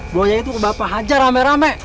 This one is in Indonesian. buaya itu ke bapak hajar rame rame